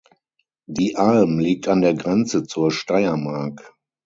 Die Alm liegt an der Grenze zur Steiermark.